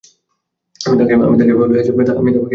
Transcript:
আমি তাহাকে লইয়া যাই– আমি তাহাকে রাখিয়া দিই।